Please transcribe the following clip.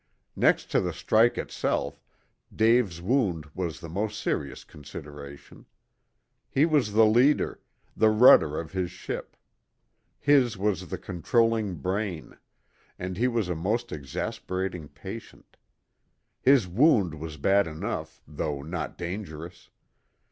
Next to the strike itself, Dave's wound was the most serious consideration. He was the leader, the rudder of his ship; his was the controlling brain; and he was a most exasperating patient. His wound was bad enough, though not dangerous.